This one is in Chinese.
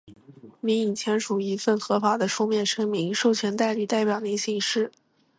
您已签署一份合法的书面声明，授权代理代表您行事。